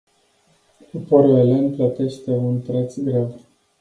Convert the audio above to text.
Poporul elen plătește un preț greu.